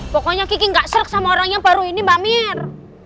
pokoknya ki ki gak serik sama orang yang paruh ini mbak mir